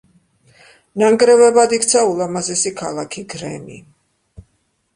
ნანგრევებად იქცა ულამაზესი ქალაქი გრემი.